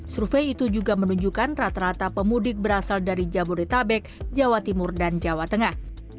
survei itu juga menunjukkan rata rata pemudik berasal dari jabodetabek jawa timur dan jawa tengah